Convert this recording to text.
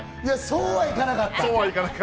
そうはいかなかった。